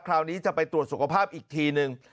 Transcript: คราวนี้จะไปตรวจสุขภาพอีกทีนึง